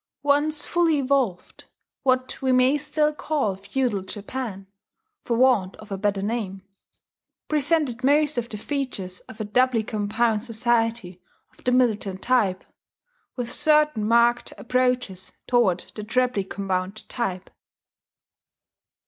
Once fully evolved, what we may still call Feudal Japan, for want of a better name, presented most of the features of a doubly compound society of the militant type, with certain marked approaches toward the trebly compound type.